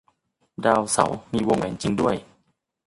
ดาวเสาร์มีวงแหวนจริงด้วย